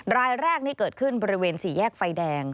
รายแรกนี่เกิดขึ้นบริเวณสี่แยกไฟแดง